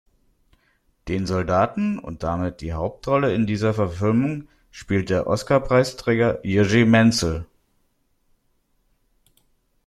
Den Soldaten und damit die Hauptrolle in dieser Verfilmung spielt der Oscarpreisträger Jiří Menzel.